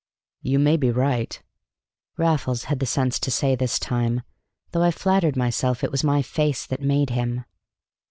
"You may be right," Raffles had the sense to say this time, though I flattered myself it was my face that made him.